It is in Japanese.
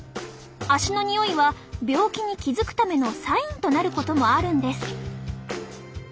足のにおいは病気に気付くためのサインとなることもあるんです。